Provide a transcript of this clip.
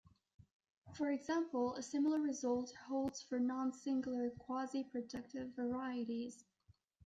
For example, a similar result holds for non-singular quasi-projective varieties.